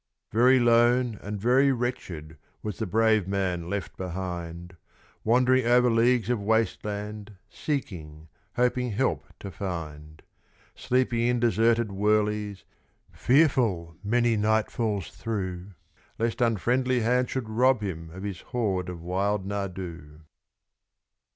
Very lone and very wretched was the brave man left behind, Wandering over leagues of waste land, seeking, hoping help to find; Sleeping in deserted wurleys, fearful many nightfalls through Lest unfriendly hands should rob him of his hoard of wild nardoo.